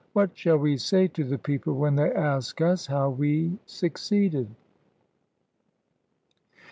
What shall we say to the people when they ask liS how we succeeded?"